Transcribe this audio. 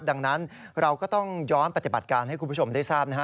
ดังนั้นเราก็ต้องย้อนปฏิบัติการให้คุณผู้ชมได้ทราบนะฮะ